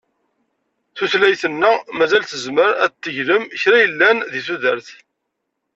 Tutlayt-nneɣ mazal tezmer ad d-teglem kra yellan deg tudert.